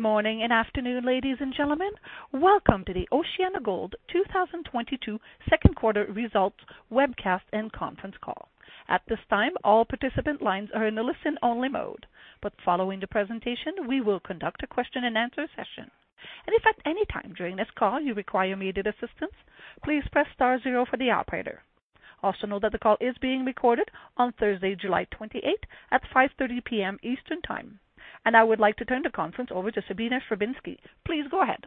Good morning and afternoon, ladies and gentlemen. Welcome to the OceanaGold 2022 second quarter results webcast and conference call. At this time, all participant lines are in a listen-only mode, but following the presentation, we will conduct a question and answer session. If at any time during this call you require immediate assistance, please press star zero for the operator. Also, note that the call is being recorded on Thursday, July 28 at 5:30 P.M. Eastern Time. I would like to turn the conference over to Sabina Srubiski. Please go ahead.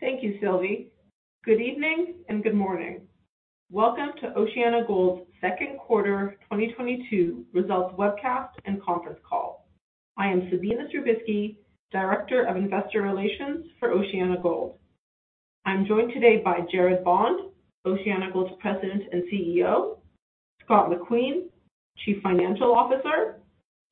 Thank you Sylvie. Good evening and good morning. Welcome to OceanaGold's second quarter 2022 results webcast and conference call. I am Sabina Srubiski, Director of Investor Relations for OceanaGold. I'm joined today by Gerard Bond, OceanaGold's President and CEO, Scott McQueen, Chief Financial Officer,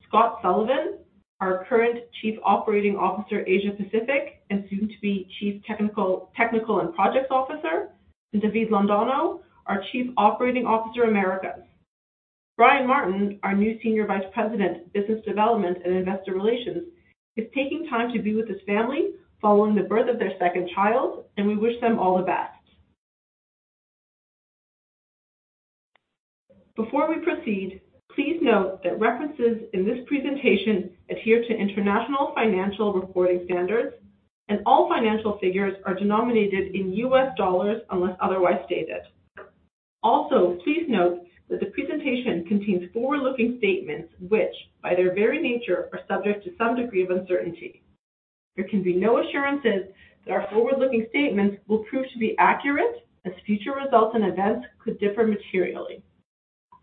Scott Sullivan, our current Chief Operating Officer, Asia Pacific, and soon to be Chief Technical and Projects Officer, and David Londoño, our Chief Operating Officer, Americas. Brian Martin, our new Senior Vice President, Business Development and Investor Relations, is taking time to be with his family following the birth of their second child, and we wish them all the best. Before we proceed, please note that references in this presentation adhere to International Financial Reporting Standards, and all financial figures are denominated in US dollars unless otherwise stated. Also, please note that the presentation contains forward-looking statements which, by their very nature, are subject to some degree of uncertainty. There can be no assurances that our forward-looking statements will prove to be accurate, as future results and events could differ materially.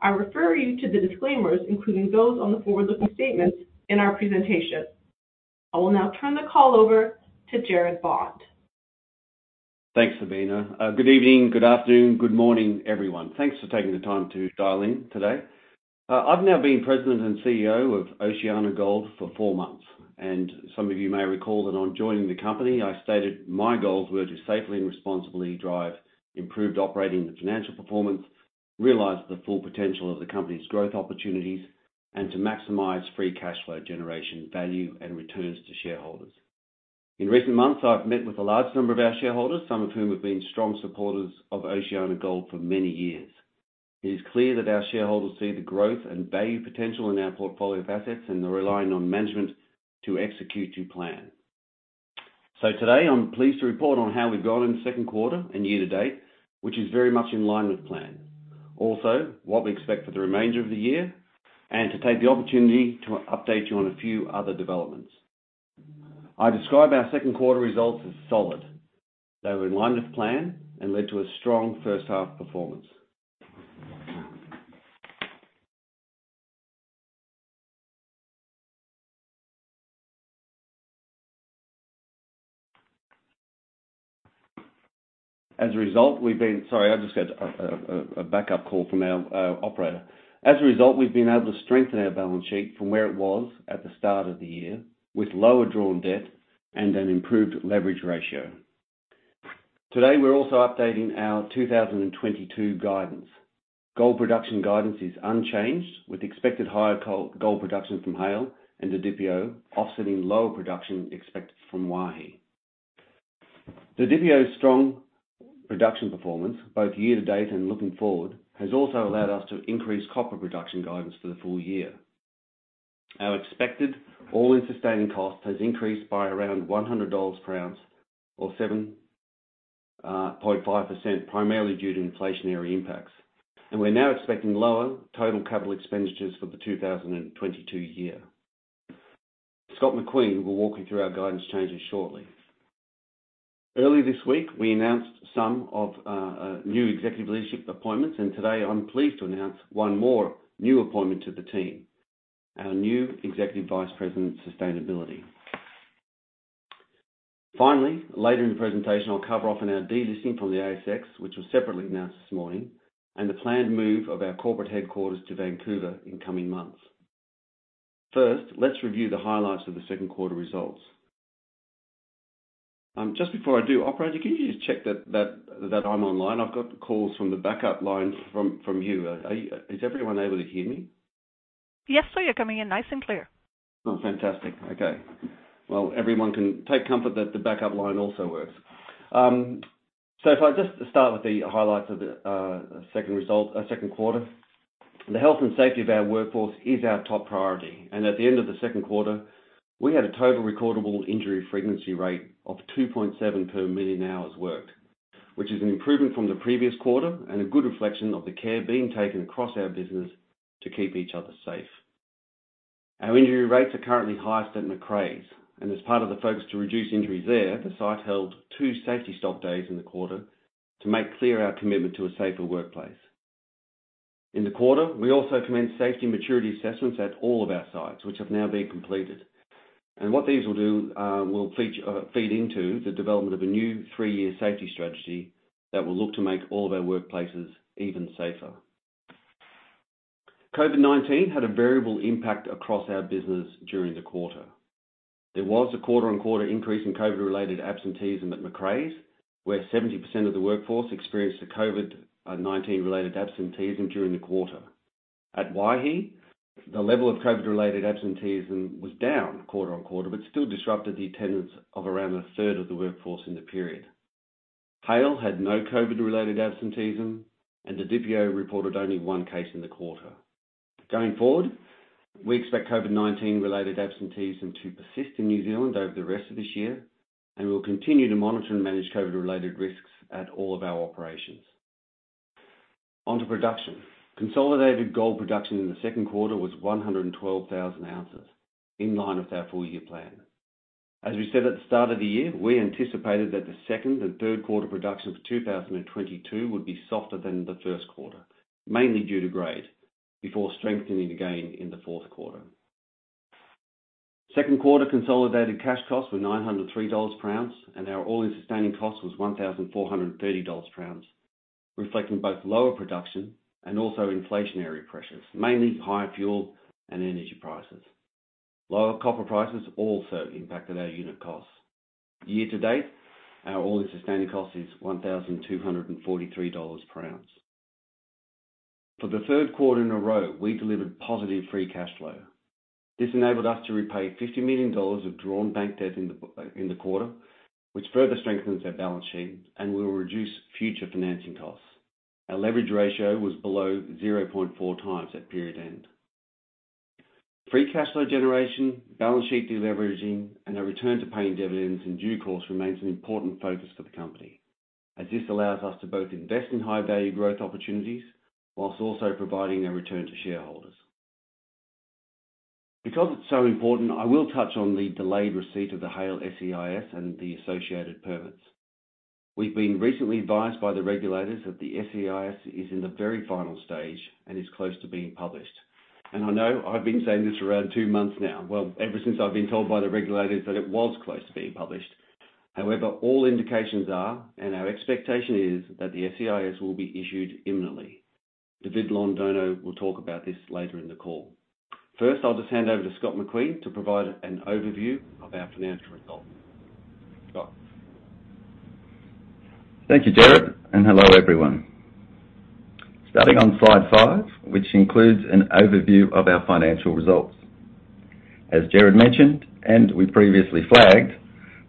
I refer you to the disclaimers, including those on the forward-looking statements in our presentation. I will now turn the call over to Gerard Bond. Thanks Sabina. Good evening, good afternoon, good morning, everyone. Thanks for taking the time to dial in today. I've now been President and CEO of OceanaGold for four months, and some of you may recall that on joining the company, I stated my goals were to safely and responsibly drive improved operating and financial performance, realize the full potential of the company's growth opportunities, and to maximize free cash flow generation value and returns to shareholders. In recent months, I've met with a large number of our shareholders, some of whom have been strong supporters of OceanaGold for many years. It is clear that our shareholders see the growth and value potential in our portfolio of assets and are relying on management to execute to plan. Today, I'm pleased to report on how we've gone in the second quarter and year to date, which is very much in line with plan. Also, what we expect for the remainder of the year, and to take the opportunity to update you on a few other developments. I describe our second quarter results as solid. They were in line with plan and led to a strong first half performance. As a result, we've been able to strengthen our balance sheet from where it was at the start of the year with lower drawn debt and an improved leverage ratio. Today, we're also updating our 2022 guidance. Gold production guidance is unchanged, with expected higher gold production from Haile and the Didipio offsetting lower production expected from Waihi. The Didipio's strong production performance, both year to date and looking forward, has also allowed us to increase copper production guidance for the full year. Our expected all-in sustaining cost has increased by around $100 per ounce or 7.5%, primarily due to inflationary impacts. We're now expecting lower total capital expenditures for the 2022 year. Scott McQueen will walk you through our guidance changes shortly. Early this week, we announced some new executive leadership appointments, and today I'm pleased to announce one more new appointment to the team, our new Executive Vice President, Sustainability. Finally, later in the presentation, I'll cover off on our delisting from the ASX, which was separately announced this morning, and the planned move of our corporate headquarters to Vancouver in coming months. First, let's review the highlights of the second quarter results. Just before I do, operator, can you just check that I'm online? I've got calls from the backup line from you. Is everyone able to hear me? Yes sir. You're coming in nice and clear. Oh, fantastic. Okay. Well, everyone can take comfort that the backup line also works. So if I just start with the highlights of the second quarter. The health and safety of our workforce is our top priority. At the end of the second quarter, we had a total recordable injury frequency rate of 2.7 per million hours worked, which is an improvement from the previous quarter and a good reflection of the care being taken across our business to keep each other safe. Our injury rates are currently highest at Macraes, and as part of the focus to reduce injuries there, the site held two safety stop days in the quarter to make clear our commitment to a safer workplace. In the quarter, we also commenced safety maturity assessments at all of our sites, which have now been completed. What these will do, feed into the development of a new three-year safety strategy that will look to make all of our workplaces even safer. COVID-19 had a variable impact across our business during the quarter. There was a quarter-on-quarter increase in COVID-related absenteeism at Macraes, where 70% of the workforce experienced a COVID-19-related absenteeism during the quarter. At Waihi, the level of COVID-related absenteeism was down quarter-on-quarter, but still disrupted the attendance of around a third of the workforce in the period. Haile had no COVID-related absenteeism, and the Didipio reported only one case in the quarter. Going forward, we expect COVID-19 related absenteeism to persist in New Zealand over the rest of this year, and we'll continue to monitor and manage COVID-related risks at all of our operations. On to production. Consolidated gold production in the second quarter was 112,000 ounces, in line with our full-year plan. As we said at the start of the year, we anticipated that the second and third quarter production for 2022 would be softer than the first quarter, mainly due to grade, before strengthening again in the fourth quarter. Second quarter consolidated cash costs were $903 per ounce, and our all-in sustaining cost was $1,430 per ounce, reflecting both lower production and also inflationary pressures, mainly higher fuel and energy prices. Lower copper prices also impacted our unit costs. Year to date, our all-in sustaining cost is $1,243 per ounce. For the third quarter in a row, we delivered positive free cash flow. This enabled us to repay $50 million of drawn bank debt in the quarter, which further strengthens our balance sheet and will reduce future financing costs. Our leverage ratio was below 0.4 times at period end. Free cash flow generation, balance sheet de-leveraging, and a return to paying dividends in due course remains an important focus for the company, as this allows us to both invest in high-value growth opportunities whilst also providing a return to shareholders. Because it's so important, I will touch on the delayed receipt of the Haile SEIS and the associated permits. We've been recently advised by the regulators that the SEIS is in the very final stage and is close to being published. I know I've been saying this for around two months now. Well, ever since I've been told by the regulators that it was close to being published. However, all indications are, and our expectation is, that the SEIS will be issued imminently. David Londoño will talk about this later in the call. First, I'll just hand over to Scott McQueen to provide an overview of our financial results. Scott. Thank you Gerard and hello everyone. Starting on slide five, which includes an overview of our financial results. As Gerard mentioned, and we previously flagged,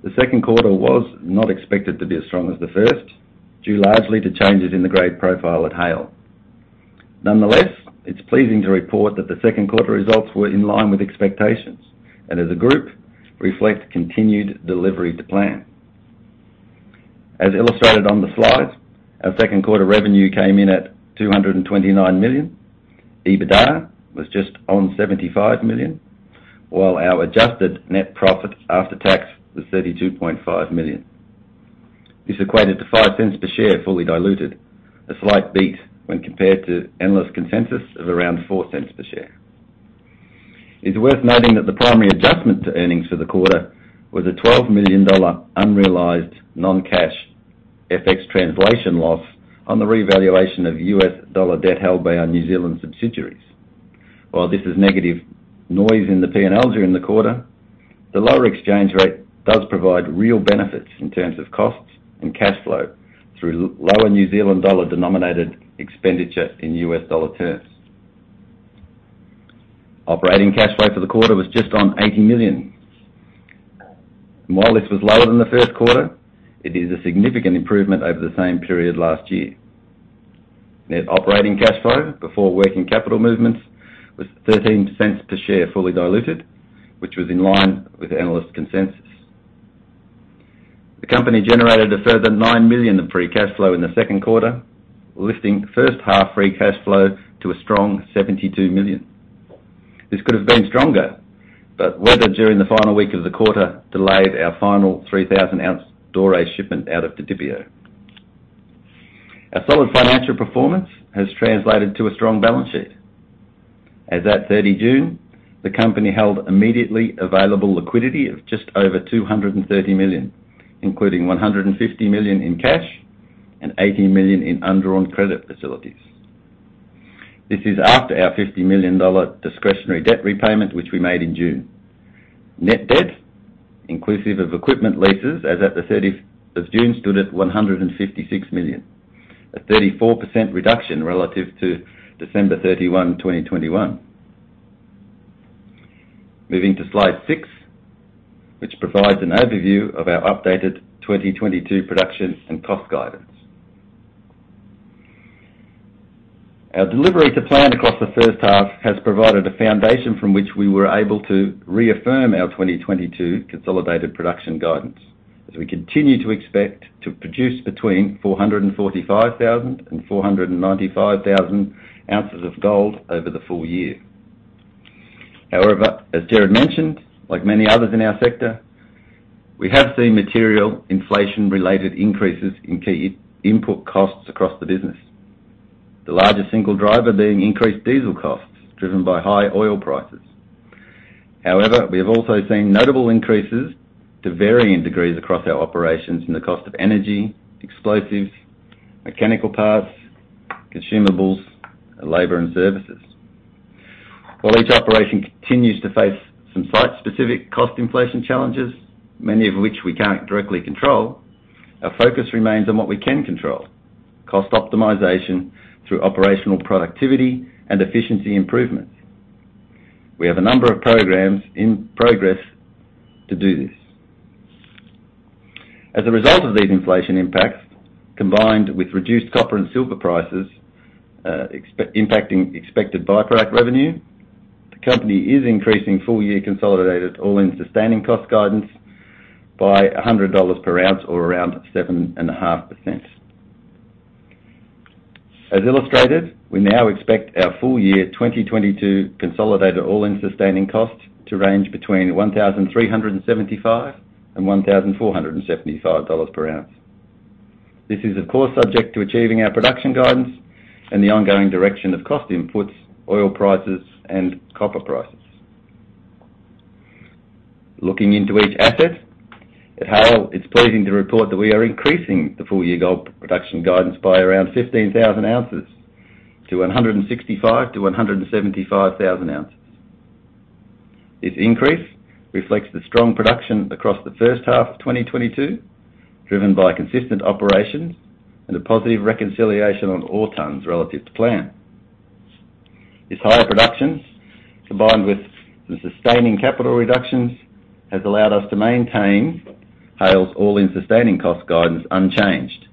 the second quarter was not expected to be as strong as the first, due largely to changes in the grade profile at Haile. Nonetheless, it's pleasing to report that the second quarter results were in line with expectations, and as a group, reflect continued delivery to plan. As illustrated on the slide, our second quarter revenue came in at $229 million. EBITDA was just on $75 million, while our adjusted net profit after tax was $32.5 million. This equated to $0.05 per share, fully diluted, a slight beat when compared to analyst consensus of around $0.04 per share. It's worth noting that the primary adjustment to earnings for the quarter was a $12 million unrealized non-cash FX translation loss on the revaluation of US dollar debt held by our New Zealand subsidiaries. While this is negative noise in the P&Ls during the quarter, the lower exchange rate does provide real benefits in terms of costs and cash flow through lower New Zealand dollar-denominated expenditure in US dollar terms. Operating cash flow for the quarter was just on $80 million. While this was lower than the first quarter, it is a significant improvement over the same period last year. Net operating cash flow before working capital movements was $0.13 per share fully diluted, which was in line with analyst consensus. The company generated a further $9 million of free cash flow in the second quarter, lifting first half free cash flow to a strong $72 million. This could have been stronger, but weather during the final week of the quarter delayed our final 3,000-ounce doré shipment out of the Didipio. Our solid financial performance has translated to a strong balance sheet. As at 30 June, the company held immediately available liquidity of just over $230 million, including $150 million in cash and $80 million in undrawn credit facilities. This is after our $50 million discretionary debt repayment, which we made in June. Net debt, inclusive of equipment leases, as at the 30th of June, stood at $156 million, a 34% reduction relative to December 31, 2021. Moving to slide six, which provides an overview of our updated 2022 production and cost guidance. Our delivery to plan across the first half has provided a foundation from which we were able to reaffirm our 2022 consolidated production guidance, as we continue to expect to produce between 445,000 and 495,000 ounces of gold over the full year. However, as Gerard mentioned, like many others in our sector, we have seen material inflation-related increases in key input costs across the business. The largest single driver being increased diesel costs, driven by high oil prices. However, we have also seen notable increases to varying degrees across our operations in the cost of energy, explosives, mechanical parts, consumables, and labor and services. While each operation continues to face some site-specific cost inflation challenges, many of which we can't directly control, our focus remains on what we can control, cost optimization through operational productivity and efficiency improvements. We have a number of programs in progress to do this. As a result of these inflation impacts, combined with reduced copper and silver prices, impacting expected by-product revenue, the company is increasing full-year consolidated all-in sustaining cost guidance by $100 per ounce or around 7.5%. As illustrated, we now expect our full-year 2022 consolidated all-in sustaining costs to range between $1,375 and $1,475 per ounce. This is of course subject to achieving our production guidance and the ongoing direction of cost inputs, oil prices, and copper prices. Looking into each asset, at Haile, it's pleasing to report that we are increasing the full-year gold production guidance by around 15,000 ounces to 165,000-175,000 ounces. This increase reflects the strong production across the first half of 2022, driven by consistent operations and a positive reconciliation on ore tonnes relative to plan. This higher production, combined with the sustaining capital reductions, has allowed us to maintain Haile's all-in sustaining cost guidance unchanged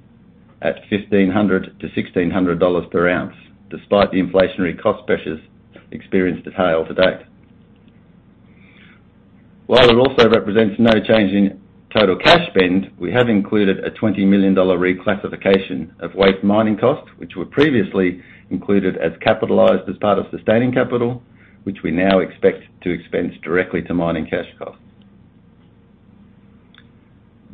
at $1,500-$1,600 per ounce, despite the inflationary cost pressures experienced at Haile to date. While it also represents no change in total cash spend, we have included a $20 million reclassification of waste mining costs, which were previously included and capitalized as part of sustaining capital, which we now expect to expense directly to mining cash costs.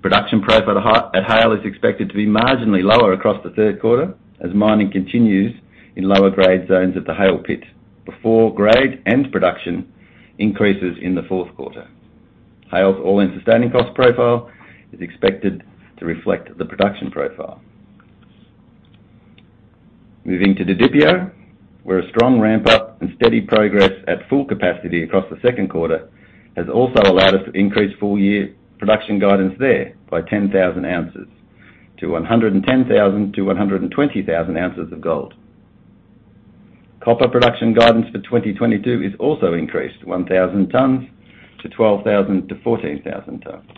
Production profile at Haile is expected to be marginally lower across the third quarter as mining continues in lower grade zones at the Haile Pit before grade and production increases in the fourth quarter. Haile's all-in sustaining cost profile is expected to reflect the production profile. Moving to Didipio, where a strong ramp-up and steady progress at full capacity across the second quarter has also allowed us to increase full-year production guidance there by 10,000 ounces to 110,000 to 120,000 ounces of gold. Copper production guidance for 2022 is also increased 1,000 tonnes to 12,000 to 14,000 tonnes.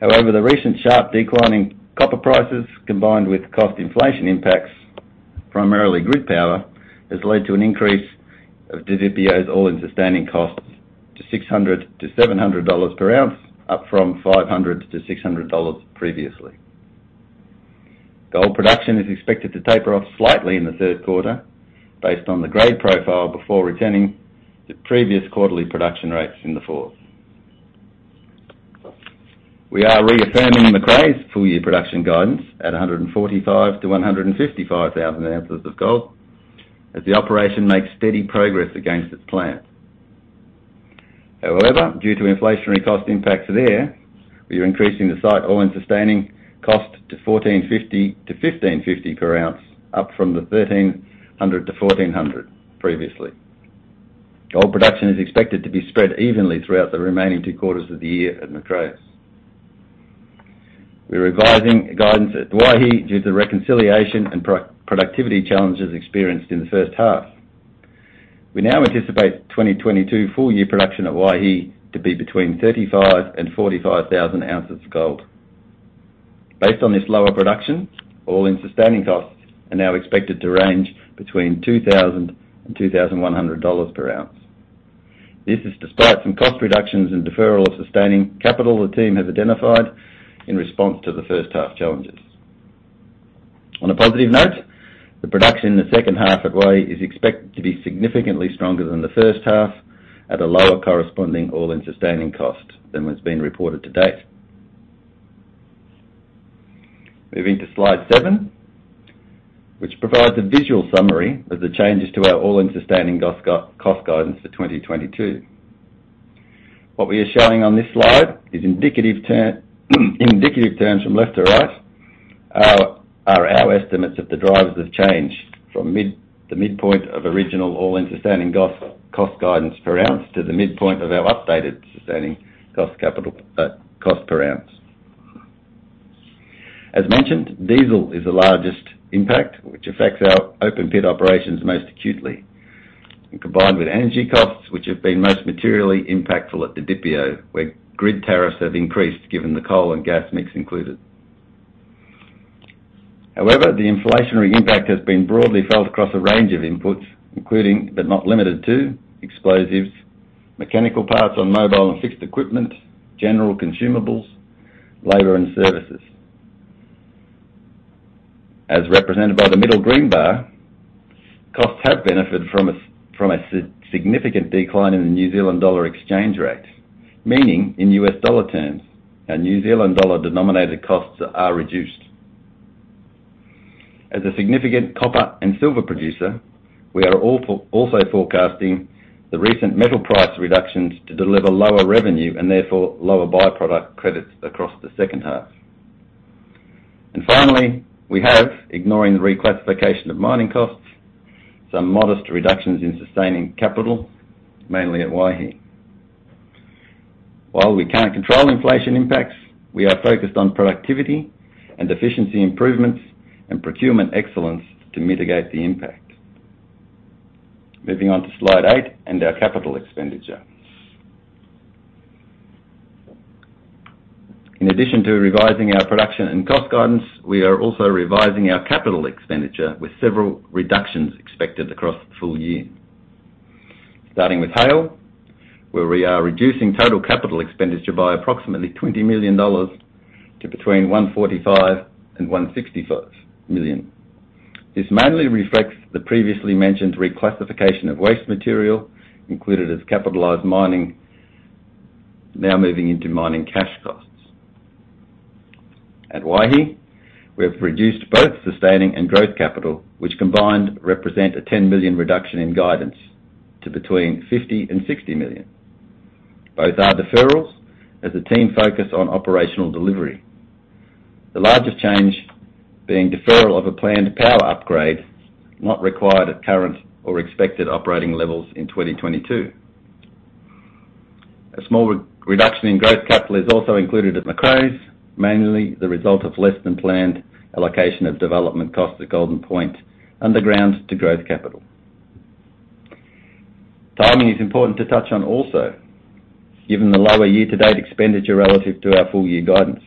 However, the recent sharp decline in copper prices combined with cost inflation impacts, primarily grid power, has led to an increase of Didipio's all-in sustaining costs to $600-$700 per ounce, up from $500-$600 previously. Gold production is expected to taper off slightly in the third quarter based on the grade profile before returning to previous quarterly production rates in the fourth. We are reaffirming Macraes' full-year production guidance at 145,000-155,000 ounces of gold as the operation makes steady progress against its plan. However, due to inflationary cost impacts there, we are increasing the site all-in sustaining cost to $1,450-$1,550 per ounce, up from the $1,300-$1,400 previously. Gold production is expected to be spread evenly throughout the remaining two quarters of the year at Macraes. We're revising guidance at Waihi due to the reconciliation and pro-productivity challenges experienced in the first half. We now anticipate 2022 full-year production at Waihi to be between 35,000 and 45,000 ounces of gold. Based on this lower production, all-in sustaining costs are now expected to range between $2,000 and $2,100 per ounce. This is despite some cost reductions and deferral of sustaining capital the team has identified in response to the first half challenges. On a positive note, the production in the second half at Waihi is expected to be significantly stronger than the first half at a lower corresponding all-in sustaining cost than what's been reported to date. Moving to slide 7, which provides a visual summary of the changes to our all-in sustaining cost guidance for 2022. What we are showing on this slide is indicative terms from left to right are our estimates of the drivers of change from the midpoint of original all-in sustaining cost guidance per ounce to the midpoint of our updated all-in sustaining cost per ounce. As mentioned, diesel is the largest impact which affects our open pit operations most acutely. Combined with energy costs, which have been most materially impactful at Didipio, where grid tariffs have increased given the coal and gas mix included. However, the inflationary impact has been broadly felt across a range of inputs, including but not limited to explosives, mechanical parts on mobile and fixed equipment, general consumables, labor and services. As represented by the middle green bar, costs have benefited from a significant decline in the New Zealand dollar exchange rate. Meaning, in US dollar terms, our New Zealand dollar denominated costs are reduced. As a significant copper and silver producer, we are also forecasting the recent metal price reductions to deliver lower revenue and therefore lower by-product credits across the second half. Finally, we have, ignoring reclassification of mining costs, some modest reductions in sustaining capital, mainly at Waihi. While we can't control inflation impacts, we are focused on productivity and efficiency improvements and procurement excellence to mitigate the impact. Moving on to slide eight and our capital expenditure. In addition to revising our production and cost guidance, we are also revising our capital expenditure with several reductions expected across the full year. Starting with Haile, where we are reducing total capital expenditure by approximately $20 million to between $145 million and $165 million. This mainly reflects the previously mentioned reclassification of waste material included as capitalized mining, now moving into mining cash costs. At Waihi, we have reduced both sustaining and growth capital, which combined represent a $10 million reduction in guidance to between $50 million and $60 million. Both are deferrals as the team focus on operational delivery. The largest change being deferral of a planned power upgrade not required at current or expected operating levels in 2022. A small reduction in growth capital is also included at Macraes, mainly the result of less than planned allocation of development costs at Golden Point underground to growth capital. Timing is important to touch on also, given the lower year-to-date expenditure relative to our full-year guidance.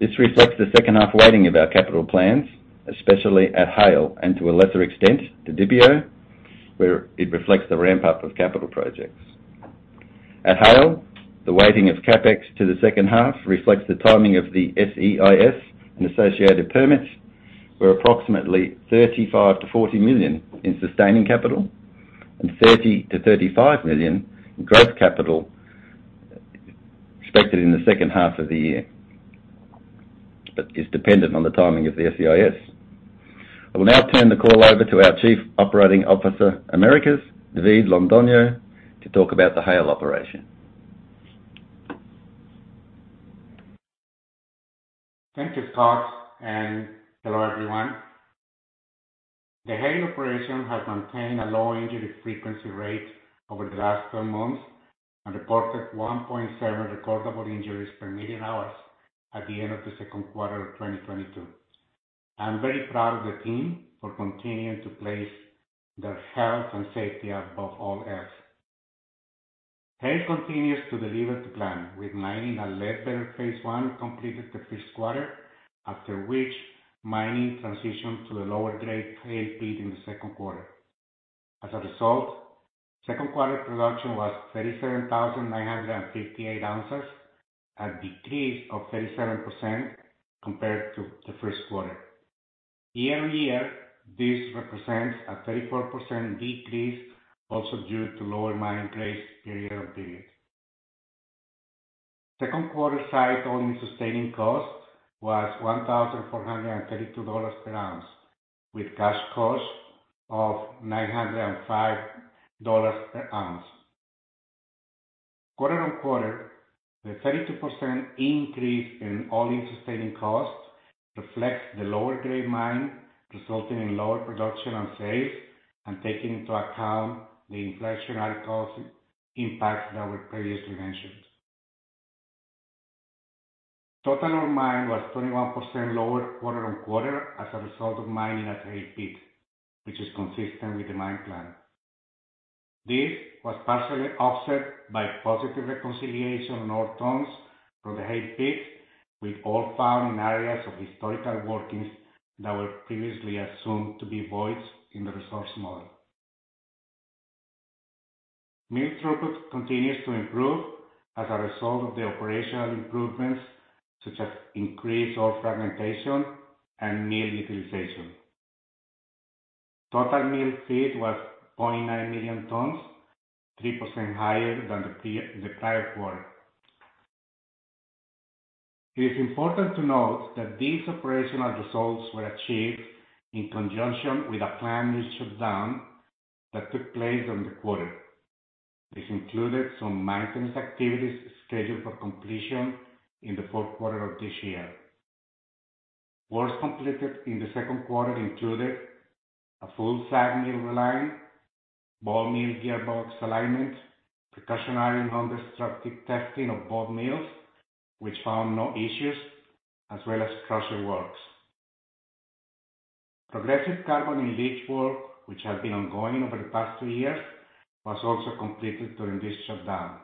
This reflects the second half weighting of our capital plans, especially at Haile and to a lesser extent, the Didipio, where it reflects the ramp-up of capital projects. At Haile, the weighting of CapEx to the second half reflects the timing of the SEIS and associated permits, where approximately $35-$40 million in sustaining capital and $30-$35 million in growth capital expected in the second half of the year, but is dependent on the timing of the SEIS. I will now turn the call over to our Chief Operating Officer, Americas, David Londoño, to talk about the Haile operation. Thank you Scott and hello everyone. The Haile operation has maintained a low injury frequency rate over the last 12 months and reported 1.7 recordable injuries per million hours at the end of the second quarter of 2022. I'm very proud of the team for continuing to place their health and safety above all else. Haile continues to deliver to plan, with mining at Ledbetter phase I completed the first quarter, after which mining transitioned to the lower grade Haile Pit in the second quarter. As a result, second quarter production was 37,958 ounces, a decrease of 37% compared to the first quarter. Year-over-year, this represents a 34% decrease, also due to lower mining grades period-over-period. Second-quarter site-only sustaining cost was $1,432 per ounce, with cash cost of $905 per ounce. Quarter-on-quarter, the 32% increase in all-in sustaining costs reflects the lower grade mine, resulting in lower production on sales and taking into account the inflationary cost impacts that were previously mentioned. Tonnage mined was 21% lower quarter-on-quarter as a result of mining at Haile Pit, which is consistent with the mine plan. This was partially offset by positive reconciliation on ore tons from the Haile Pit, with ore found in areas of historical workings that were previously assumed to be voids in the resource model. Mill throughput continues to improve as a result of the operational improvements, such as increased ore fragmentation and mill utilization. Total mill feed was 0.9 million tons, 3% higher than the prior quarter. It is important to note that these operational results were achieved in conjunction with a planned mill shutdown that took place in the quarter. This included some maintenance activities scheduled for completion in the fourth quarter of this year. Works completed in the second quarter included a full SAG mill reline, ball mill gearbox alignment, precautionary nondestructive testing of both mills, which found no issues, as well as crusher works. Progressive carbon-in-leach work, which has been ongoing over the past two years, was also completed during this shutdown.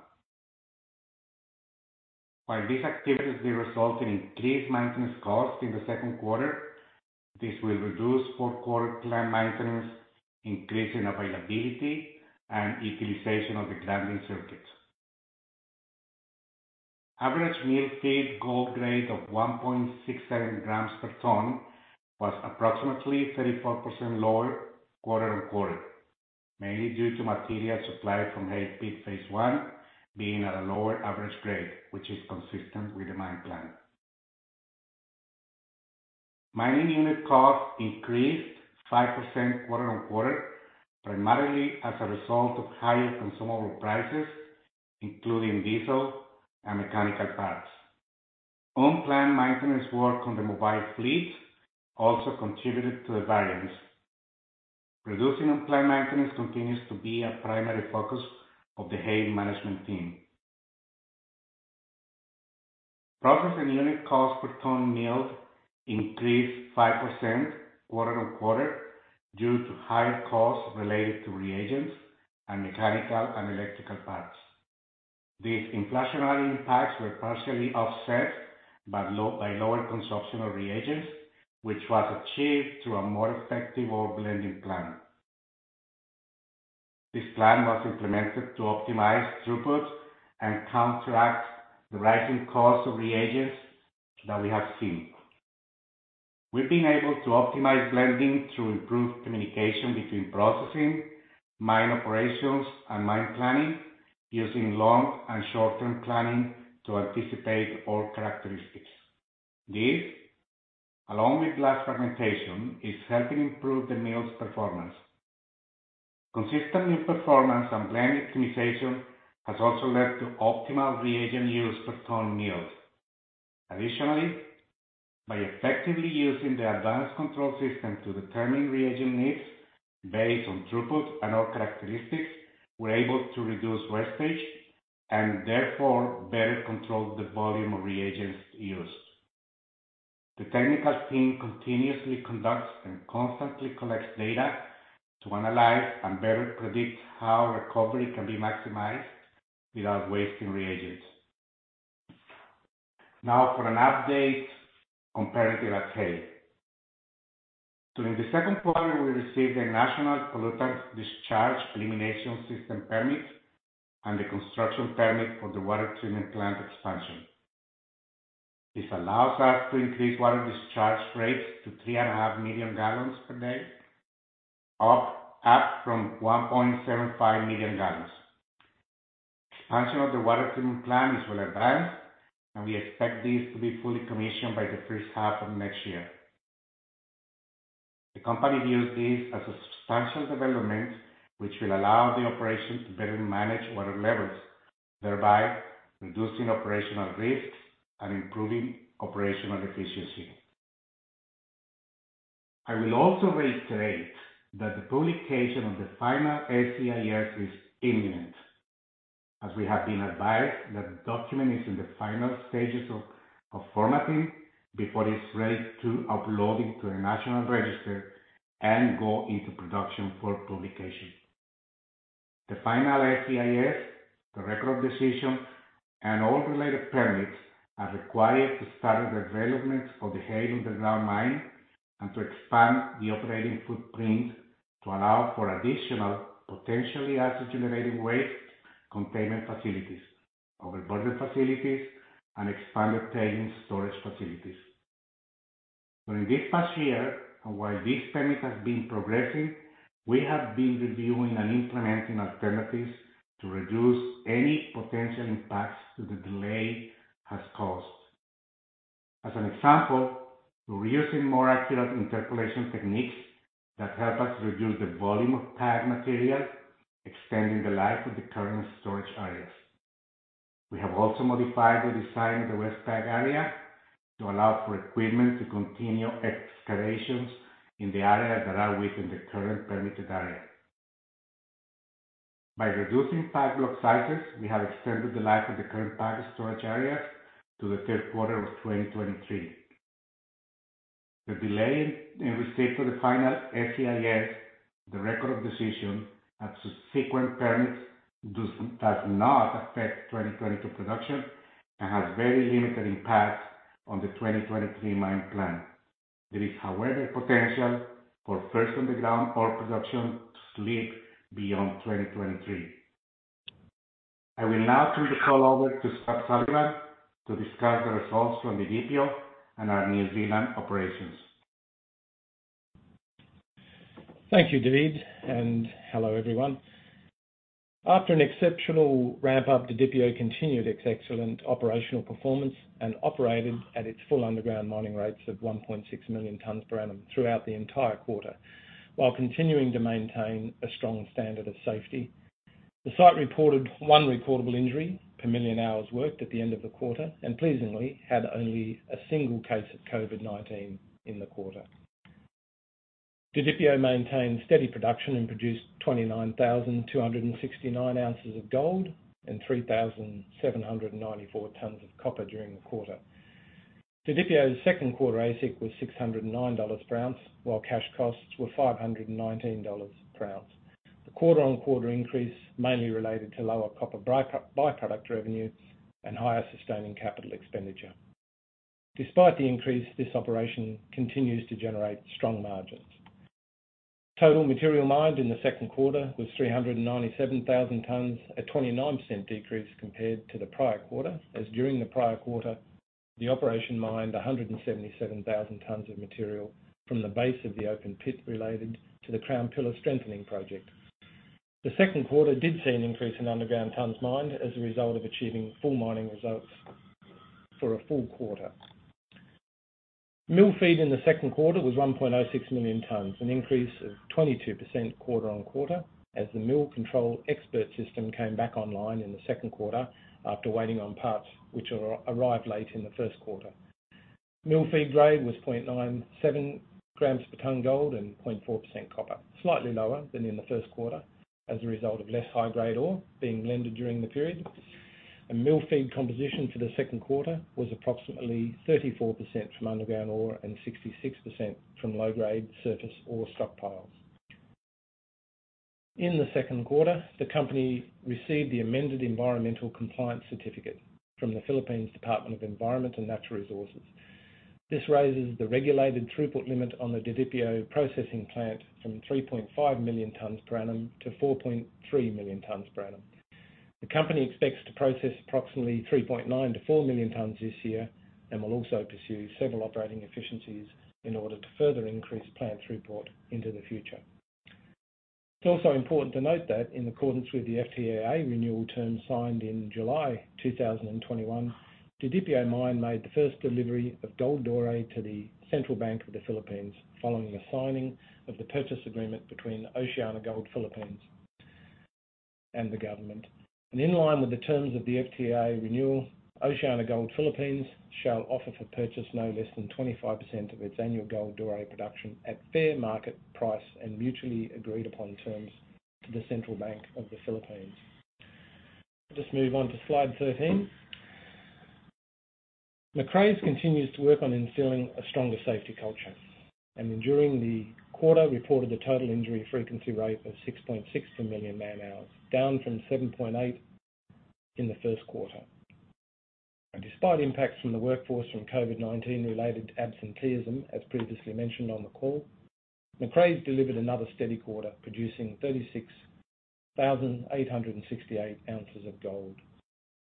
While these activities may result in increased maintenance costs in the second quarter, this will reduce fourth quarter planned maintenance, increase in availability, and utilization of the grinding circuits. Average mill feed gold grade of 1.67 grams per ton was approximately 34% lower quarter-on-quarter, mainly due to material supplied from Haile Pit phase I being at a lower average grade, which is consistent with the mine plan. Mining unit cost increased 5% quarter-on-quarter, primarily as a result of higher consumable prices, including diesel and mechanical parts. Unplanned maintenance work on the mobile fleet also contributed to the variance. Reducing unplanned maintenance continues to be a primary focus of the Haile management team. Processing unit cost per ton milled increased 5% quarter-on-quarter due to higher costs related to reagents and mechanical and electrical parts. These inflationary impacts were partially offset by lower consumption of reagents, which was achieved through a more effective ore blending plan. This plan was implemented to optimize throughput and counteract the rising cost of reagents that we have seen. We've been able to optimize blending through improved communication between processing, mine operations, and mine planning, using long and short-term planning to anticipate ore characteristics. This, along with blast fragmentation, is helping improve the mill's performance. Consistent mill performance and blend optimization has also led to optimal reagent use per ton milled. Additionally, by effectively using the advanced control system to determine reagent needs based on throughput and ore characteristics, we're able to reduce wastage and therefore better control the volume of reagents used. The technical team continuously conducts and constantly collects data to analyze and better predict how recovery can be maximized without wasting reagents. Now for an update on permitting at Haile. During the second quarter, we received a National Pollutant Discharge Elimination System permit and the construction permit for the water treatment plant expansion. This allows us to increase water discharge rates to 3.5 million gallons per day, up from 1.75 million gallons. Expansion of the water treatment plant is well advanced, and we expect this to be fully commissioned by the first half of next year. The company views this as a substantial development which will allow the operation to better manage water levels, thereby reducing operational risk and improving operational efficiency. I will also reiterate that the publication of the final SEIS is imminent, as we have been advised that the document is in the final stages of formatting before it's ready to upload into the national register and go into production for publication. The final SEIS, the Record of Decision, and all related permits are required to start the development of the Haile underground mine and to expand the operating footprint to allow for additional potentially acid generating waste containment facilities, overburden facilities, and expanded tailings storage facilities. During this past year, and while this permit has been progressing, we have been reviewing and implementing alternatives to reduce any potential impacts that the delay has caused. As an example, we're using more accurate interpolation techniques that help us reduce the volume of PAG material, extending the life of the current storage areas. We have also modified the design of the waste pad area to allow for equipment to continue excavations in the areas that are within the current permitted area. By reducing PAG block sizes, we have extended the life of the current PAG storage area to the third quarter of 2023. The delay in receipt of the final SEIS, the Record of Decision, and subsequent permits does not affect 2022 production and has very limited impact on the 2023 mine plan. There is, however, potential for first underground ore production to slip beyond 2023. I will now turn the call over to Scott Sullivan to discuss the results from the Didipio and our New Zealand operations. Thank you David and hello everyone. After an exceptional ramp up, the Didipio continued its excellent operational performance and operated at its full underground mining rates of 1.6 million tonnes per annum throughout the entire quarter while continuing to maintain a strong standard of safety. The site reported one reportable injury per million hours worked at the end of the quarter, and pleasingly had only a single case of COVID-19 in the quarter. The Didipio maintained steady production and produced 29,269 ounces of gold and 3,794 tonnes of copper during the quarter. The Didipio's second quarter AISC was $609 per ounce, while cash costs were $519 per ounce. The quarter-on-quarter increase mainly related to lower copper byproduct revenue and higher sustaining capital expenditure. Despite the increase, this operation continues to generate strong margins. Total material mined in the second quarter was 397,000 tonnes, a 29% decrease compared to the prior quarter, as during the prior quarter, the operation mined 177,000 tonnes of material from the base of the open pit related to the crown pillar strengthening project. The second quarter did see an increase in underground tonnes mined as a result of achieving full mining results for a full quarter. Mill feed in the second quarter was 1.06 million tonnes, an increase of 22% quarter-on-quarter as the mill control expert system came back online in the second quarter after waiting on parts which arrived late in the first quarter. Mill feed grade was 0.97 grams per tonne gold and 0.4% copper, slightly lower than in the first quarter as a result of less high-grade ore being blended during the period. Mill feed composition for the second quarter was approximately 34% from underground ore and 66% from low-grade surface ore stockpiles. In the second quarter, the company received the amended Environmental Compliance Certificate from the Department of Environment and Natural Resources. This raises the regulated throughput limit on the Didipio processing plant from 3.5-4.3 million tonnes per annum. The company expects to process approximately 3.9-4 million tonnes this year, and will also pursue several operating efficiencies in order to further increase plant throughput into the future. It's also important to note that in accordance with the FTAA renewal terms signed in July 2021, Didipio Mine made the first delivery of gold doré to the Central Bank of the Philippines following the signing of the purchase agreement between OceanaGold Philippines and the government. In line with the terms of the FTAA renewal, OceanaGold Philippines shall offer for purchase no less than 25% of its annual gold doré production at fair market price and mutually agreed upon terms to the Central Bank of the Philippines. I'll just move on to slide 13. Macraes continues to work on instilling a stronger safety culture. During the quarter, reported the total injury frequency rate of 6.6 per million man hours, down from 7.8 in the first quarter. Despite impacts from the workforce from COVID-19 related absenteeism, as previously mentioned on the call, Macraes delivered another steady quarter, producing 36,868 ounces of gold.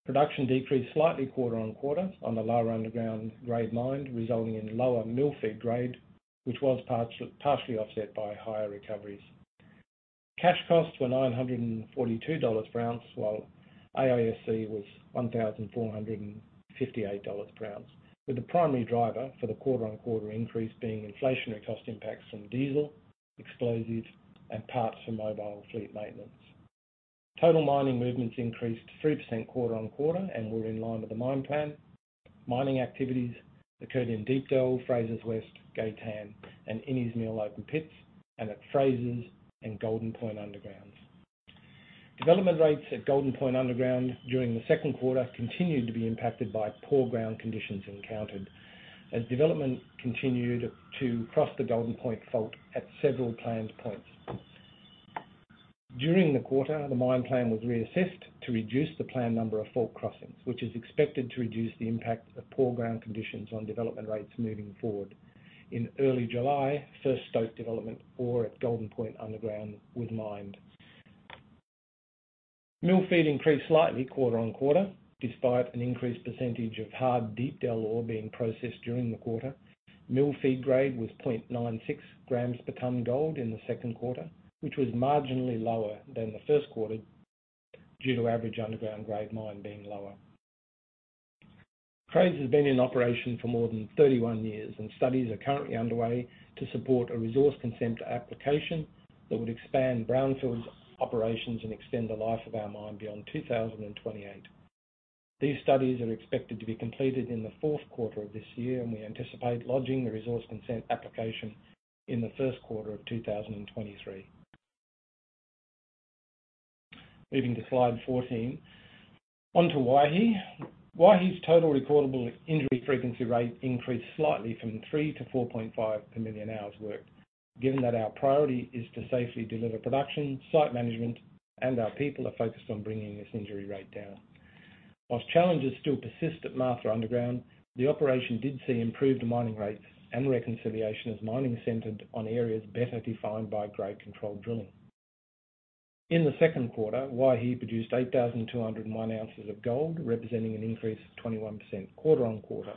Production decreased slightly quarter-on-quarter on the lower underground grade mined, resulting in lower mill feed grade, which was partially offset by higher recoveries. Cash costs were $942 per ounce, while AISC was $1,458 per ounce. With the primary driver for the quarter-on-quarter increase being inflationary cost impacts from diesel, explosives, and parts for mobile fleet maintenance. Total mining movements increased 3% quarter-on-quarter and were in line with the mine plan. Mining activities occurred in Deep Dell, Frasers West, Gaytan, and Innes Mills open pits, and at Frasers and Golden Point Underground. Development rates at Golden Point Underground during the second quarter continued to be impacted by poor ground conditions encountered as development continued to cross the Golden Point Fault at several planned points. During the quarter, the mine plan was reassessed to reduce the planned number of fault crossings, which is expected to reduce the impact of poor ground conditions on development rates moving forward. In early July, first stope development ore at Golden Point Underground was mined. Mill feed increased slightly quarter-over-quarter, despite an increased percentage of hard Deep Dell ore being processed during the quarter. Mill feed grade was 0.96 grams per tonne gold in the second quarter, which was marginally lower than the first quarter due to average underground grade mined being lower. Macraes has been in operation for more than 31 years, and studies are currently underway to support a resource consent application that would expand brownfields operations and extend the life of our mine beyond 2028. These studies are expected to be completed in the fourth quarter of this year, and we anticipate lodging the resource consent application in the first quarter of 2023. Moving to slide 14. On to Waihi. Waihi's total recordable injury frequency rate increased slightly from 3-4.5 per million hours worked. Given that our priority is to safely deliver production, site management, and our people are focused on bringing this injury rate down. While challenges still persist at Martha Underground, the operation did see improved mining rates and reconciliation as mining centered on areas better defined by grade control drilling. In the second quarter, Waihi produced 8,201 ounces of gold, representing an increase of 21% quarter-over-quarter.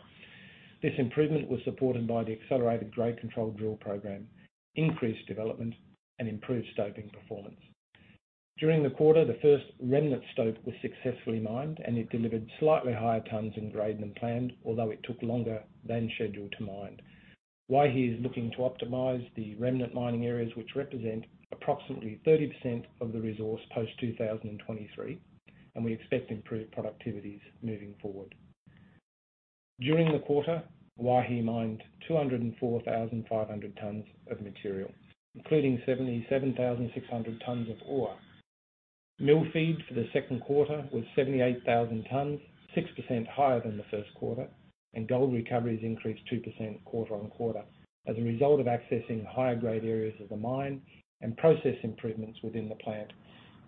This improvement was supported by the accelerated grade control drill program, increased development, and improved stoping performance. During the quarter, the first remnant stope was successfully mined, and it delivered slightly higher tonnes and grade than planned, although it took longer than scheduled to mine. Waihi is looking to optimize the remnant mining areas which represent approximately 30% of the resource post 2023, and we expect improved productivities moving forward. During the quarter, Waihi mined 204,500 tonnes of material, including 77,600 tonnes of ore. Mill feed for the second quarter was 78,000 tonnes, 6% higher than the first quarter, and gold recoveries increased 2% quarter-over-quarter as a result of accessing higher grade areas of the mine and process improvements within the plant,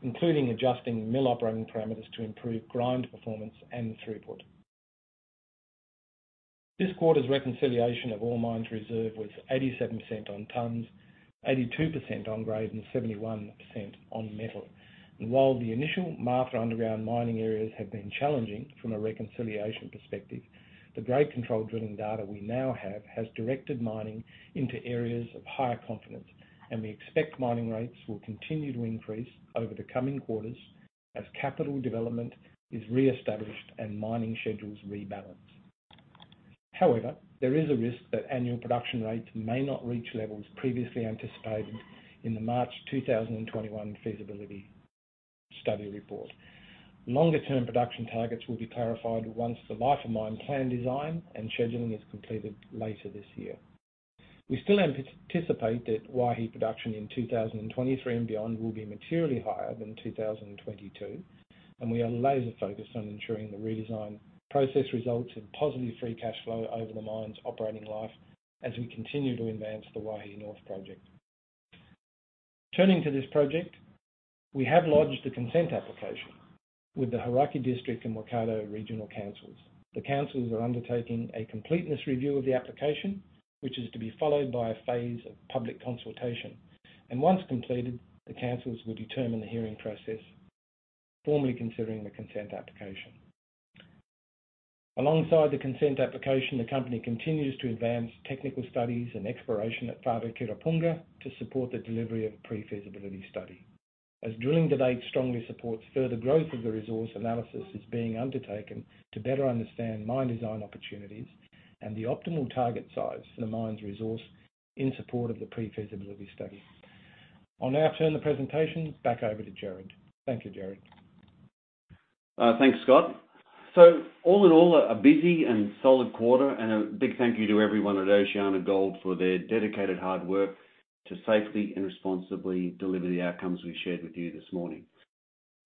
including adjusting mill operating parameters to improve grind performance and throughput. This quarter's reconciliation of ore mined as reserved was 87% on tonnes, 82% on grade, and 71% on metal. While the initial Martha underground mining areas have been challenging from a reconciliation perspective, the grade control drilling data we now have has directed mining into areas of higher confidence. We expect mining rates will continue to increase over the coming quarters as capital development is reestablished and mining schedules rebalance. However, there is a risk that annual production rates may not reach levels previously anticipated in the March 2021 feasibility study report. Longer term production targets will be clarified once the life of mine plan design and scheduling is completed later this year. We still anticipate that Waihi production in 2023 and beyond will be materially higher than 2022, and we are laser-focused on ensuring the redesign process results in positive free cash flow over the mine's operating life as we continue to advance the Waihi North project. Turning to this project, we have lodged a consent application with the Hauraki District and Waikato Regional Council. The councils are undertaking a completeness review of the application, which is to be followed by a phase of public consultation. Once completed, the councils will determine the hearing process, formally considering the consent application. Alongside the consent application, the company continues to advance technical studies and exploration at Wharekirauponga to support the delivery of pre-feasibility study. As drilling to date strongly supports further growth of the resource, analysis is being undertaken to better understand mine design opportunities and the optimal target size for the mine's resource in support of the pre-feasibility study. I'll now turn the presentation back over to Gerard. Thank you, Gerard. Thanks Scott. All in all a busy and solid quarter, and a big thank you to everyone at OceanaGold for their dedicated hard work to safely and responsibly deliver the outcomes we've shared with you this morning.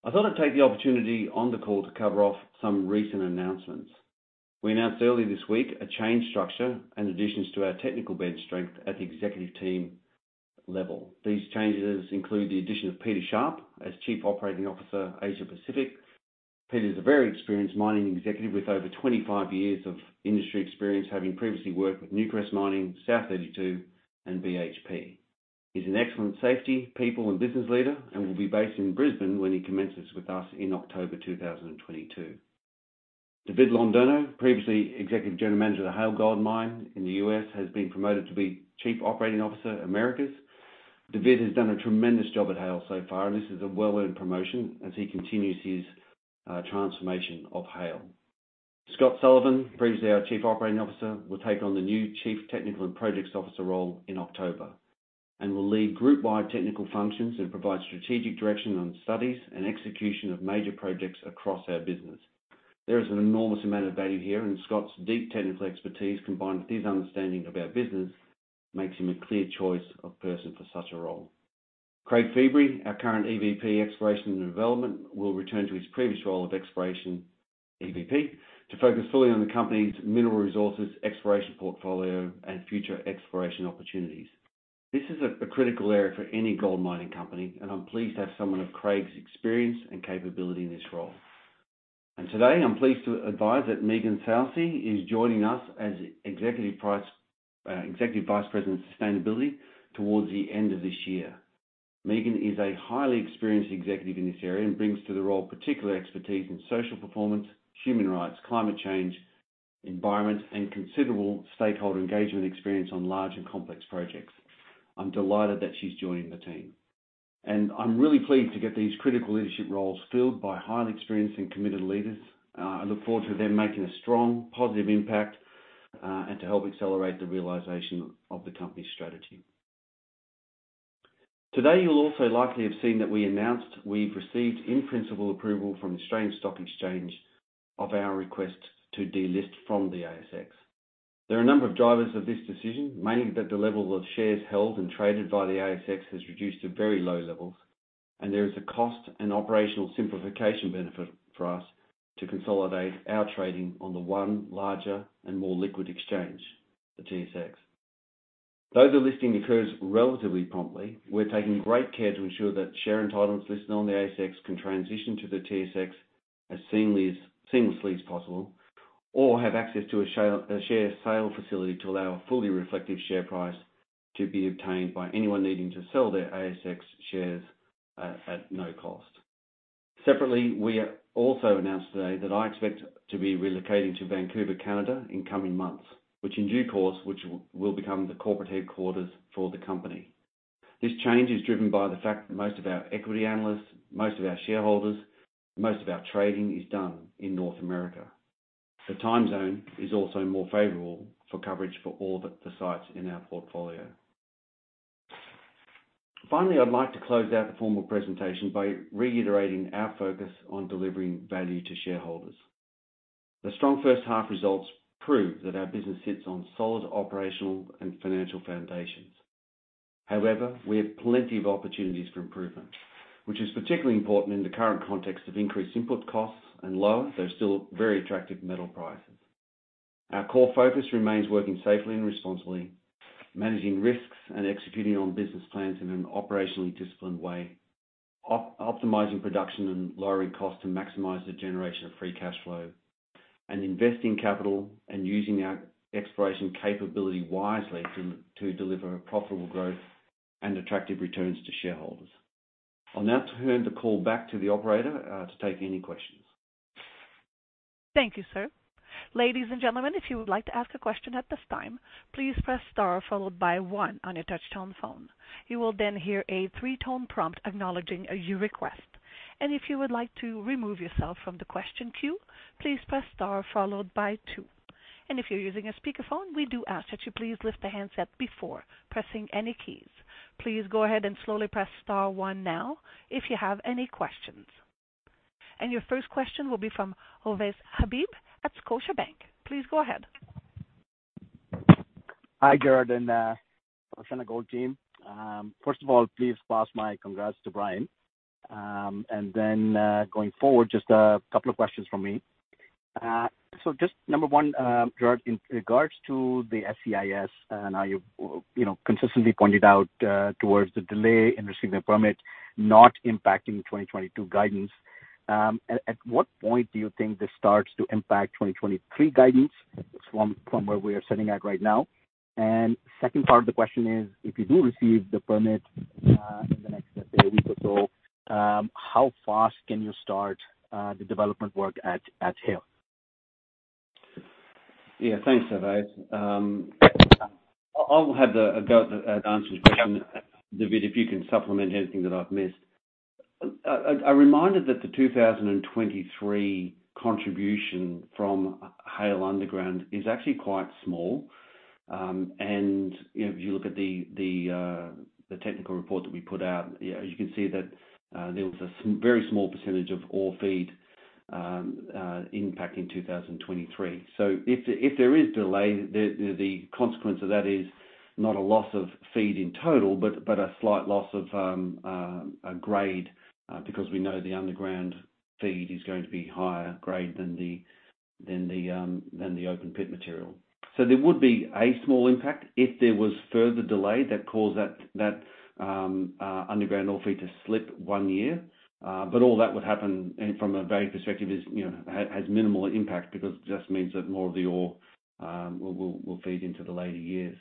I thought I'd take the opportunity on the call to cover off some recent announcements. We announced earlier this week a change in structure and additions to our technical bench strength at the executive team level. These changes include the addition of Peter Sharpe as Chief Operating Officer, Asia-Pacific. Peter is a very experienced mining executive with over 25 years of industry experience, having previously worked with Newcrest Mining, South32, and BHP. He's an excellent safety, people, and business leader and will be based in Brisbane when he commences with us in October 2022. David Londoño previously Executive General Manager of the Haile Gold Mine in the U.S., has been promoted to be Chief Operating Officer, Americas. David has done a tremendous job at Haile so far, and this is a well-earned promotion as he continues his transformation of Haile. Scott Sullivan, previously our Chief Operating Officer, will take on the new Chief Technical and Projects Officer role in October and will lead group-wide technical functions and provide strategic direction on studies and execution of major projects across our business. There is an enormous amount of value here, and Scott's deep technical expertise, combined with his understanding of our business, makes him a clear choice of person for such a role. Craig Feebrey, our current EVP, Exploration and Development, will return to his previous role of Exploration EVP to focus fully on the company's mineral resources, exploration portfolio, and future exploration opportunities. This is a critical area for any gold mining company, and I'm pleased to have someone of Craig's experience and capability in this role. Today I'm pleased to advise that Megan Saussey is joining us as Executive Vice President of Sustainability towards the end of this year. Megan is a highly experienced executive in this area and brings to the role particular expertise in social performance, human rights, climate change, environment, and considerable stakeholder engagement experience on large and complex projects. I'm delighted that she's joining the team, and I'm really pleased to get these critical leadership roles filled by highly experienced and committed leaders. I look forward to them making a strong positive impact, and to help accelerate the realization of the company's strategy. Today you'll also likely have seen that we announced we've received in principle approval from the Australian Securities Exchange of our request to delist from the ASX. There are a number of drivers of this decision, mainly that the level of shares held and traded via the ASX has reduced to very low levels, and there is a cost and operational simplification benefit for us to consolidate our trading on the one larger and more liquid exchange, the TSX. Though the delisting occurs relatively promptly, we're taking great care to ensure that share entitlements listed on the ASX can transition to the TSX as seamlessly as possible, or have access to a share sale facility to allow a fully reflective share price to be obtained by anyone needing to sell their ASX shares at no cost. Separately we also announced today that I expect to be relocating to Vancouver, Canada, in coming months, which in due course will become the corporate headquarters for the company. This change is driven by the fact that most of our equity analysts, most of our shareholders, most of our trading is done in North America. The time zone is also more favorable for coverage for all the sites in our portfolio. Finally, I'd like to close out the formal presentation by reiterating our focus on delivering value to shareholders. The strong first half results prove that our business sits on solid operational and financial foundations. However, we have plenty of opportunities for improvement, which is particularly important in the current context of increased input costs and lower, though still very attractive metal prices. Our core focus remains working safely and responsibly, managing risks, and executing on business plans in an operationally disciplined way, optimizing production and lowering costs to maximize the generation of free cash flow. Investing capital and using our exploration capability wisely to deliver profitable growth and attractive returns to shareholders. I'll now turn the call back to the operator to take any questions. Thank you sir. Ladies and gentlemen if you would like to ask a question at this time, please press star followed by one on your touchtone phone. You will then hear a three-tone prompt acknowledging your request. If you would like to remove yourself from the question queue, please press star followed by two. If you're using a speakerphone, we do ask that you please lift the handset before pressing any keys. Please go ahead and slowly press star one now if you have any questions. Your first question will be from Ovais Habib at Scotiabank. Please go ahead. Hi, Gerard and OceanaGold team. First of all please pass my congrats to Brian. Going forward, just a couple of questions from me. Just number one, Gerard, in regards to the SEIS and how you've, you know, consistently pointed out, towards the delay in receiving the permit, not impacting the 2022 guidance. At what point do you think this starts to impact 2023 guidance from where we are sitting at right now? And second part of the question is, if you do receive the permit in the next 30 days or so, how fast can you start the development work at Haile? Yeah thanks Ovais. I'll have a go at answering the question. David, if you can supplement anything that I've missed. A reminder that the 2023 contribution from Haile underground is actually quite small. You know, if you look at the technical report that we put out, you know, you can see that there was a very small percentage of ore feed impact in 2023. If there is delay, the consequence of that is not a loss of feed in total, but a slight loss of a grade, because we know the underground feed is going to be higher grade than the open pit material. There would be a small impact if there was further delay that caused that underground ore feed to slip one year. All that would happen, and from a value perspective is, you know, has minimal impact because it just means that more of the ore will feed into the later years.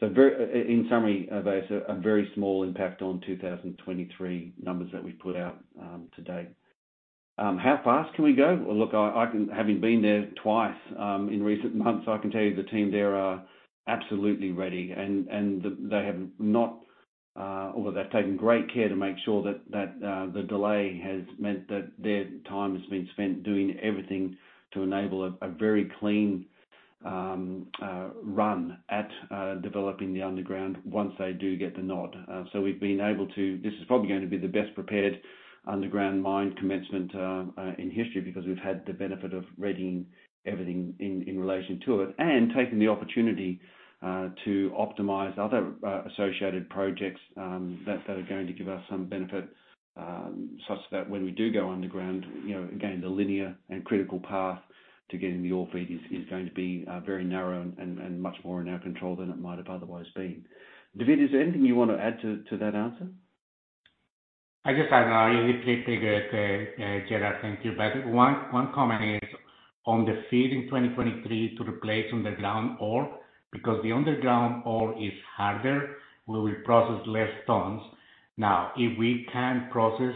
In summary, Ovais, a very small impact on 2023 numbers that we've put out to date. How fast can we go? Well, look, I can. Having been there twice in recent months, I can tell you the team there are absolutely ready, and they've taken great care to make sure that the delay has meant that their time has been spent doing everything to enable a very clean run at developing the underground once they do get the nod. This is probably gonna be the best prepared underground mine commencement in history because we've had the benefit of readying everything in relation to it. Taking the opportunity to optimize other associated projects that are going to give us some benefit such that when we do go underground, you know, again, the linear and critical path to getting the ore feed is going to be very narrow and much more in our control than it might have otherwise been. David, is there anything you wanna add to that answer? I just add Ovais, pretty good Gerard. Thank you. One comment is on the feed in 2023 to replace underground ore, because the underground ore is harder. We will process less tons. Now, if we can process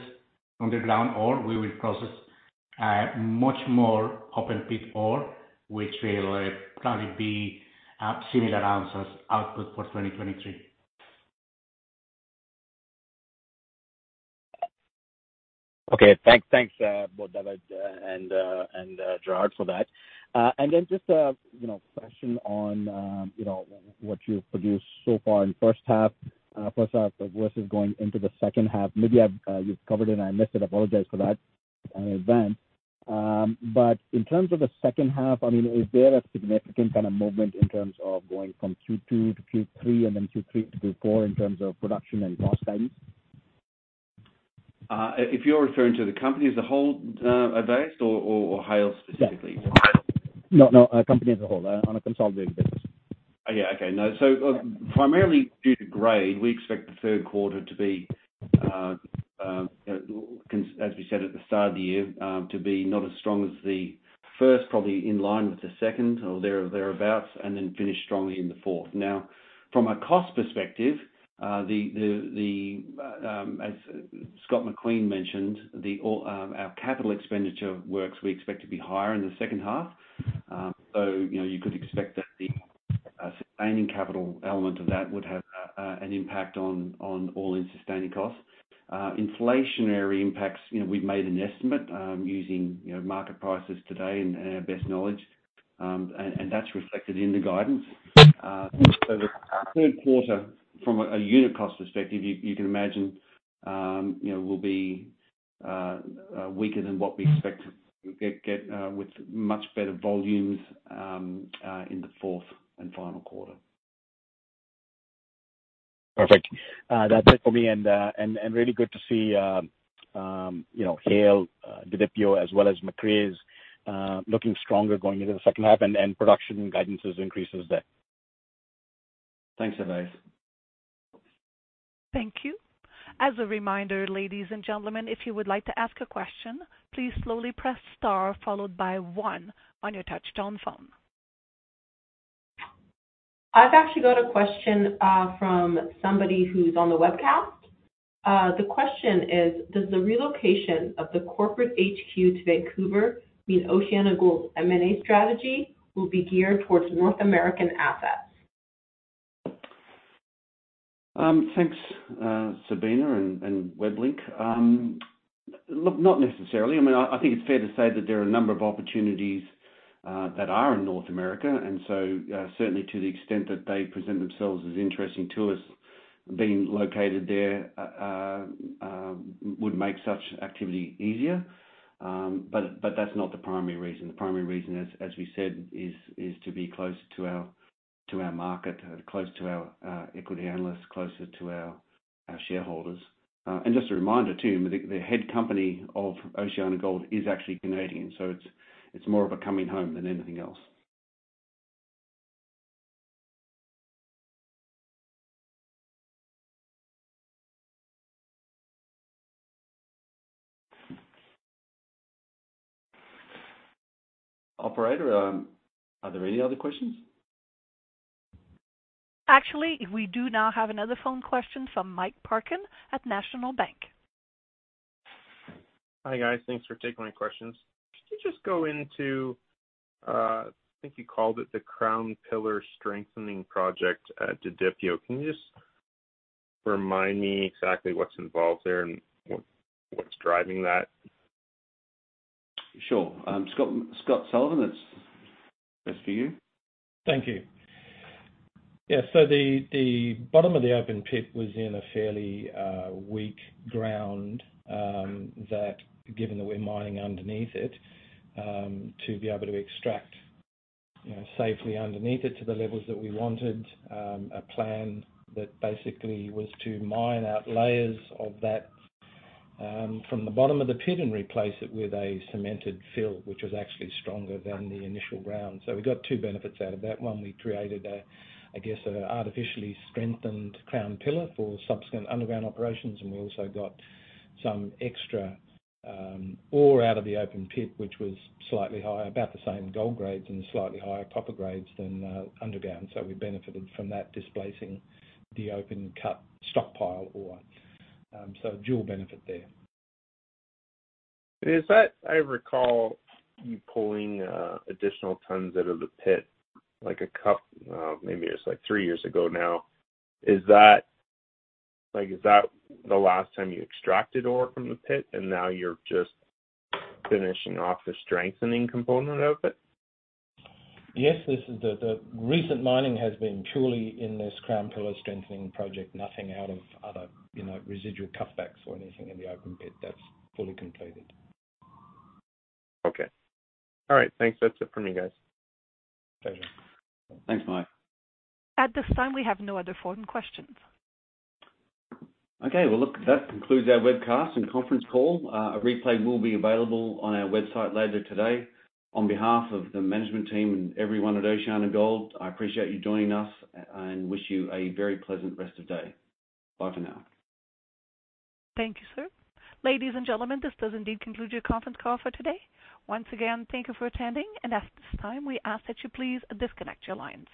underground ore, we will process much more open pit ore, which will probably be similar ounces output for 2023. Okay. Thanks both David and Gerard for that. Then just a you know question on you know what you've produced so far in first half versus going into the second half. Maybe you've covered it and I missed it. I apologize for that in advance. In terms of the second half, I mean, is there a significant kind of movement in terms of going from Q2 to Q3 and then Q3 to Q4 in terms of production and cost guidance? If you're referring to the company as a whole, Ovais or Haile specifically? No company as a whole on a consolidated basis. Primarily due to grade we expect the third quarter to be as we said at the start of the year, to be not as strong as the first, probably in line with the second or thereabouts, and then finish strongly in the fourth. Now, from a cost perspective, as Scott McQueen mentioned, our capital expenditure works we expect to be higher in the second half. You know, you could expect that the sustaining capital element of that would have an impact on all-in sustaining costs. Inflationary impacts, you know, we've made an estimate, using, you know, market prices today and our best knowledge, and that's reflected in the guidance. The third quarter from a unit cost perspective, you can imagine, you know, will be weaker than what we expect to get with much better volumes in the fourth and final quarter. Perfect. That's it for me. Really good to see, you know, Haile, Didipio as well as Macraes looking stronger going into the second half and production guidances increases there. Thanks Ovais. Thank you. As a reminder ladies and gentlemen, if you would like to ask a question, please slowly press star followed by one on your touch-tone phone. I've actually got a question from somebody who's on the webcast. The question is, does the relocation of the corporate HQ to Vancouver mean OceanaGold's M&A strategy will be geared towards North American assets? Thanks Sabina and WebLink. Look not necessarily. I mean, I think it's fair to say that there are a number of opportunities that are in North America. Certainly to the extent that they present themselves as interesting to us, being located there would make such activity easier. That's not the primary reason. The primary reason, as we said, is to be close to our market, close to our equity analysts, closer to our shareholders. Just a reminder too, the head company of OceanaGold is actually Canadian. It's more of a coming home than anything else. Operator, are there any other questions? Actually we do now have another phone question from Mike Parkin at National Bank. Hi, guys. Thanks for taking my questions. Can you just go into, I think you called it the Crown Pillar Strengthening Project at Didipio. Can you just remind me exactly what's involved there and what's driving that? Sure. Scott Sullivan that's for you. Thank you. Yeah. The bottom of the open pit was in a fairly weak ground that given that we're mining underneath it to be able to extract you know safely underneath it to the levels that we wanted a plan that basically was to mine out layers of that from the bottom of the pit and replace it with a cemented fill which was actually stronger than the initial ground. We got two benefits out of that. One we created a I guess a artificially strengthened crown pillar for subsequent underground operations. We also got some extra ore out of the open pit which was slightly higher about the same gold grades and slightly higher copper grades than underground. We benefited from that displacing the open cut stockpile ore. Dual benefit there. Is that, I recall you pulling additional tons out of the pit, like a couple, maybe it's like three years ago now. Is that the last time you extracted ore from the pit and now you're just finishing off the strengthening component of it? Yes, this is the recent mining has been purely in this Crown Pillar Strengthening Project, nothing out of other, you know, residual cutbacks or anything in the open pit. That's fully completed. Okay. All right. Thanks. That's it for me, guys. Pleasure. Thanks, Mike. At this time, we have no other phone questions. Okay. Well look that concludes our webcast and conference call. A replay will be available on our website later today. On behalf of the management team and everyone at OceanaGold, I appreciate you joining us and wish you a very pleasant rest of day. Bye for now. Thank you sir. Ladies and gentlemen this does indeed conclude your conference call for today. Once again, thank you for attending, and at this time we ask that you please disconnect your lines.